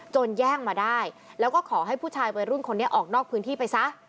แย่งมาได้แล้วก็ขอให้ผู้ชายวัยรุ่นคนนี้ออกนอกพื้นที่ไปซะ